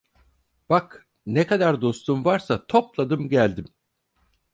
Bak ne kadar dostun varsa topladım geldim!